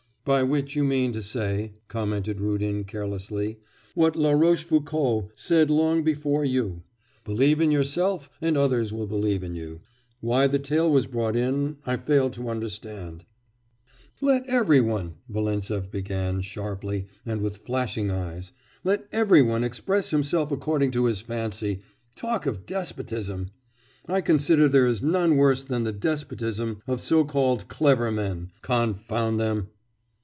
'By which you mean to say,' commented Rudin carelessly, 'what La Rochefoucauld said long before you: Believe in yourself and others will believe in you. Why the tail was brought in, I fail to understand.' 'Let every one,' Volintsev began sharply and with flashing eyes, 'let every one express himself according to his fancy. Talk of despotism! ... I consider there is none worse than the despotism of so called clever men; confound them!